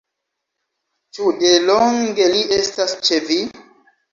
Ĉu de longe li estas ĉe vi?